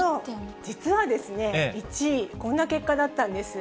実はですね、１位、こんな結果だったんです。